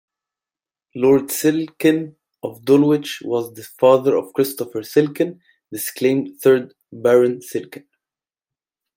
Lord Silkin of Dulwich was the father of Christopher Silkin, disclaimed third Baron Silkin.